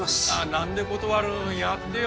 何で断るんやってよ